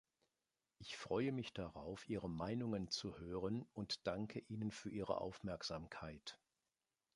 Ich freue mich darauf, Ihre Meinungen zu hören, und danke Ihnen für Ihre Aufmerksamkeit.